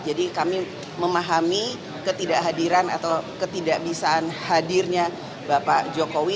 jadi kami memahami ketidakhadiran atau ketidakbisaan hadirnya bapak jokowi